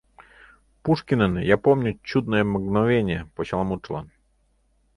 — Пушкинын «Я помню чудное мгновенье» почеламутшылан.